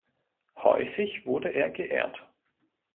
Häufig wurde er geehrt.